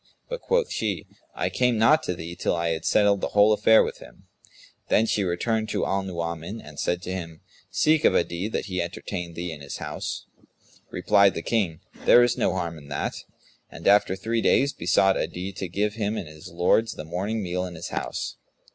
But quoth she, "I came not to thee, till I had settled the whole affair with him." Then she returned to Al Nu'uman and said to him, "Seek of Adi that he entertain thee in his house." Replied the King, "There is no harm in that;" and after three days, besought Adi to give him and his lords the morning meal in his house.